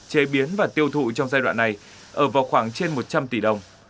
chế biến và tiêu thụ trong giai đoạn này ở vào khoảng trên một trăm linh tỷ đồng